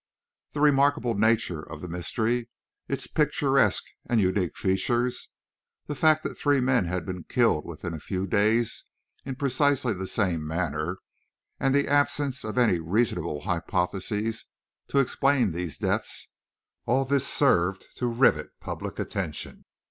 The remarkable nature of the mystery, its picturesque and unique features, the fact that three men had been killed within a few days in precisely the same manner, and the absence of any reasonable hypothesis to explain these deaths all this served to rivet public attention.